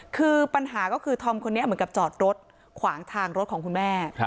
คือปัญหาก็คือธอมคนนี้เหมือนกับจอดรถขวางทางรถของคุณแม่